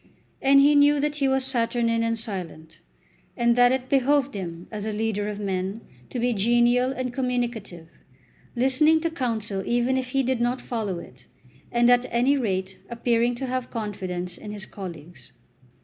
And he knew that he was saturnine and silent, and that it behoved him as a leader of men to be genial and communicative, listening to counsel even if he did not follow it, and at any rate appearing to have confidence in his colleagues.